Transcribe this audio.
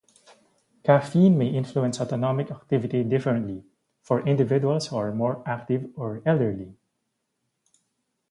Caffeine may influence autonomic activity differently for individuals who are more active or elderly.